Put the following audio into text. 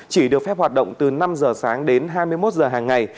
chỉ được phép hoạt động từ năm h sáng đến hai mươi một h hàng ngày